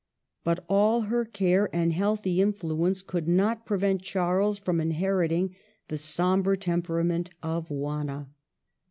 But all her care and healthy influence could not prevent Charles from inheriting the sombre temperament of Juana.